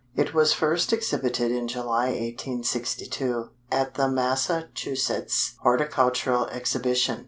It was first exhibited in July 1862, at the Massachusetts Horticultural Exhibition.